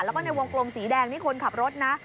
แล้วก็ในวงกลมสีแดงนี่คนขับรถนะ